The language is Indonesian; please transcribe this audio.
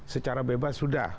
secara bebas sudah